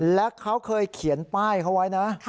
และเขาเคยเขียนป้ายเขาไว้นะ